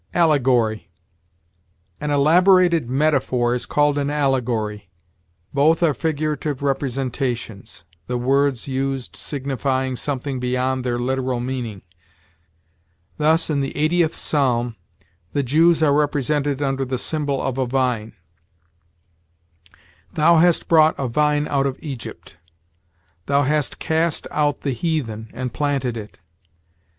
ALLEGORY. An elaborated metaphor is called an allegory; both are figurative representations, the words used signifying something beyond their literal meaning. Thus, in the eightieth Psalm, the Jews are represented under the symbol of a vine: "Thou hast brought a vine out of Egypt: thou hast cast out the heathen, and planted it.